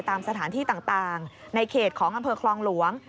ตามสถานที่ต่างในเขตของอำเภอคลองหลวง